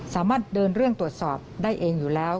สามารถเดินเรื่องตรวจสอบได้เองอยู่แล้ว